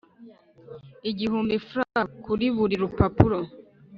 Igihumbi frws kuri buri rupapuro